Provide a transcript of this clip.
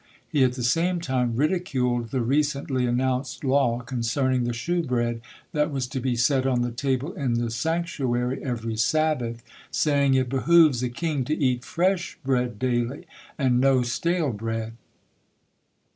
He at the same time ridiculed the recently announced law concerning the shewbread that was to be set on the table in the sanctuary every Sabbath, saying: "It behooves a king to eat fresh bread daily, and no stale bread."